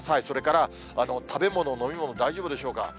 それから、食べ物、飲み物、大丈夫でしょうか。